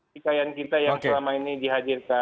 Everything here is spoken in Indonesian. kekayaan kita yang selama ini dihadirkan